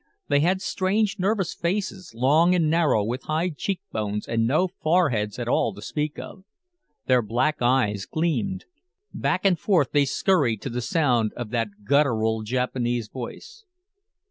They had strange, nervous faces, long and narrow with high cheek bones and no foreheads at all to speak of. Their black eyes gleamed. Back and forth they scurried to the sound of that guttural Japanese voice.